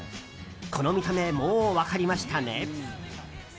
この見た目もう分かりましたね？